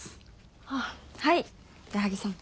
あっはい矢作さん。